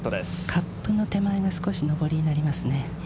カップの手前が少し上りになりますね。